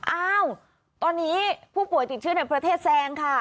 อ้าวตอนนี้ผู้ป่วยติดเชื้อในประเทศแซงค่ะ